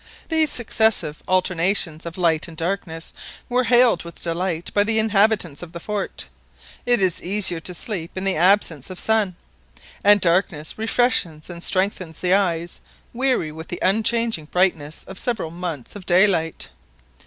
These successive alternations of light and darkness were hailed with delight by the inhabitants of the fort. It is easier to sleep in the absence of the sun, and darkness refreshes and strengthens the eyes, weary with the unchanging brightness of several months of daylight.